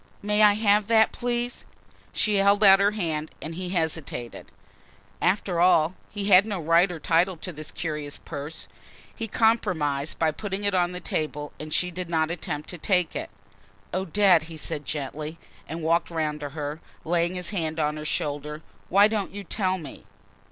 "May I have that please?" She held out her hand and he hesitated. After all, he had no right or title to this curious purse. He compromised by putting it on the table and she did not attempt to take it. "Odette," he said gently and walked round to her, laying his hand on her shoulder. "Why don't you tell me?"